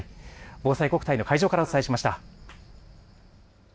ぼうさいこくたいの会場からお伝えしました。